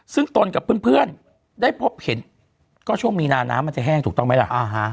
ซึ่งตนกับเพื่อนได้พบเห็นก็ช่วงมีนาน้ำมันจะแห้งถูกต้องไหมล่ะ